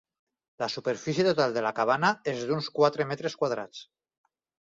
La superfície total de la cabana és d'uns quatre metres quadrats.